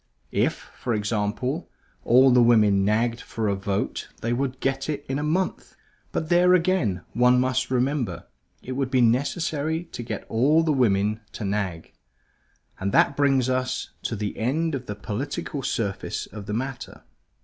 If (for example) all the women nagged for a vote they would get it in a month. But there again, one must remember, it would be necessary to get all the women to nag. And that brings us to the end of the political surface of the matter.